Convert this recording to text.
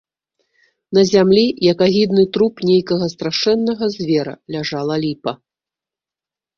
На зямлі, як агідны труп нейкага страшэннага звера, ляжала ліпа.